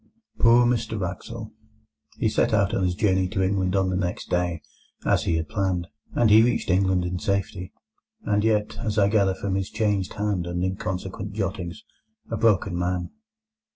Poor Mr Wraxall! He set out on his journey to England on the next day, as he had planned, and he reached England in safety; and yet, as I gather from his changed hand and inconsequent jottings, a broken man.